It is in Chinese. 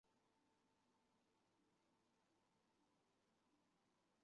罗崇文退休后由李天柱接任其岗位。